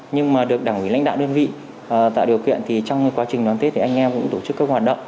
nhưng mà được đảng ủy lãnh đạo đơn vị tạo điều kiện thì trong quá trình đón tết thì anh em cũng tổ chức các hoạt động